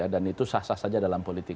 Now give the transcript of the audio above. dan itu sah sah saja dalam politik